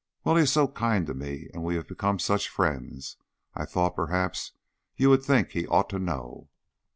"Well, he is so kind to me and we have become such friends, I thought perhaps you would think he ought to know."